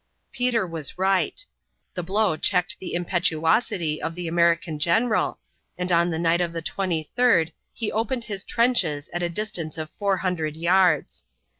Peter was right. The blow checked the impetuosity of the American general, and on the night of the 23d he opened his trenches at a distance of four hundred yards.